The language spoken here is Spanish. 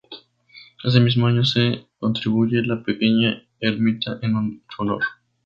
Ese mismo año se construye la pequeña ermita en su honor.